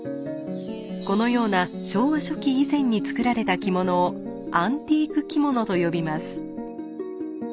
このような昭和初期以前に作られた着物を「アンティーク着物」と呼びます。